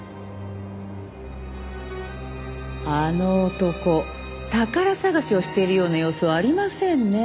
あの男宝探しをしているような様子はありませんねえ。